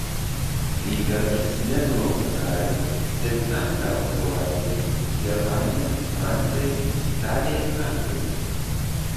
Li verkis ne nur hungare, sed ankaŭ slovake, germane, france, itale, angle.